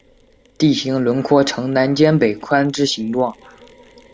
地形轮廓呈南尖北宽之形状。